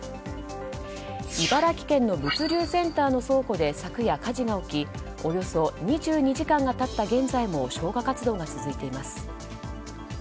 茨城県の物流センターの倉庫で昨夜、火事が起きおよそ２２時間が経った現在も消火活動が続いています。